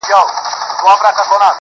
اوس هره شپه خوب کي بلا وينمه_